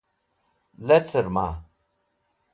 Lecrẽma?